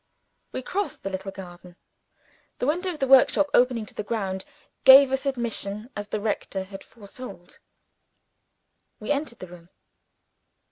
We crossed the little garden. The window of the workshop opening to the ground gave us admission as the rector had foretold. We entered the room.